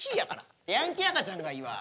ヤンキー赤ちゃんがいいわ。